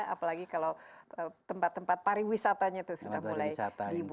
apalagi kalau tempat tempat pariwisatanya sudah mulai dibuka kembali